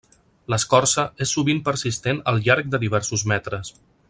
L'escorça és sovint persistent al llarg de diversos metres.